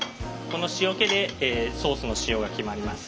この塩気でソースの塩が決まります。